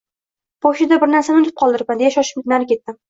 Pochtada bir narsani unutib qoldiribman, deya shoshib nari ketdim